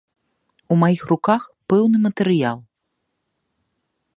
У маіх руках пэўны матэрыял.